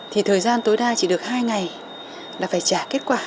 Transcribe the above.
thì thời gian tối đa chỉ được hai ngày là phải trả kết quả